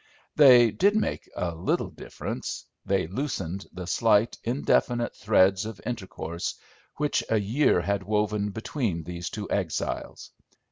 They did make a little difference: they loosened the slight, indefinite threads of intercourse which a year had woven between these two exiles.